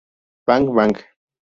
Bang Bang!